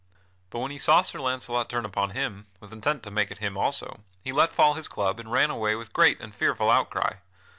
But when he saw Sir Launcelot turn upon him with intent to make at him also, he let fall his club and ran away with great and fearful outcry.